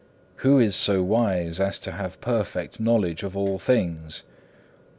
Who is so wise as to have perfect knowledge of all things?